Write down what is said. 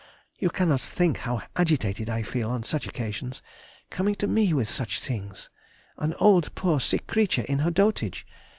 You cannot think how agitated I feel on such occasions, coming to me with such things!—an old poor sick creature in her dotage....